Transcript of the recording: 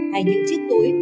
hay những chiếc túi